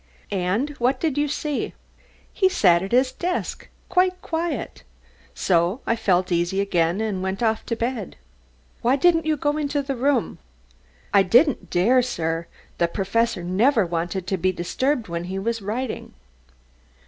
"And what did you see?" "He sat at his desk, quite quiet. So I felt easy again, and went off to bed." "Why didn't you go into the room?" "I didn't dare, sir. The Professor never wanted to be disturbed when he was writing."